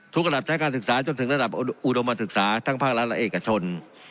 ทุกขนาดพิกัดศึกษาจนถึงรัดับหมุดอุดมนต์ศึกษาทั้งภาครัฐละเอียดกันชน